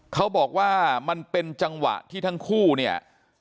เขาบอกว่ามันเป็นจังหวะที่ทั้งคู่เนี่ย